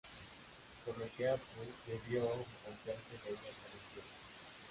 Por lo que Apple debió distanciarse de ella con el tiempo.